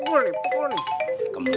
biarin lo juga ngaduk sama bapak lo